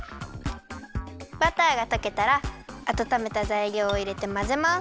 バターがとけたらあたためたざいりょうをいれてまぜます。